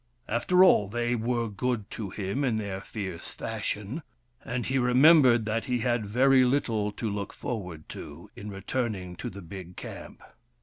After all, they were good to him in their fierce fashion, and he remembered that he had very little to look forward to, in returning to the big camp.